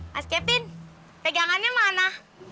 mas kevin pegangannya mana